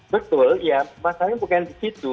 betul ya masalahnya bukan di situ